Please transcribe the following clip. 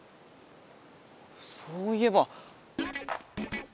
そういえば。